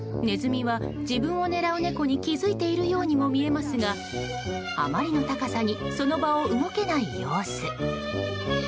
ネズミは、自分を狙う猫に気づいているようにも見えますがあまりの高さにその場を動けない様子。